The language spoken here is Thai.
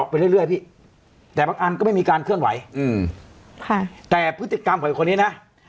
ไปเรื่อยพี่แต่บางอันก็ไม่มีการเคลื่อนไหวอืมค่ะแต่พฤติกรรมของคนนี้นะ